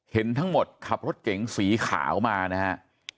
เห็นทั้งหมดขับรถเก๋งสีขาวมานะฮะ